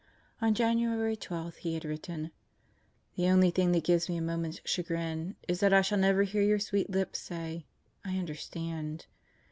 On January 12 he had written: The only thing that gives me a moment's chagrin is that I shall never hear your sweet lips say: "I understand."